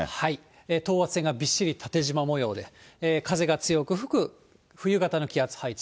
等圧線がびっしり縦じま模様で、風が強く吹く冬型の気圧配置。